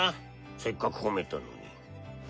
せっかく褒めたのに。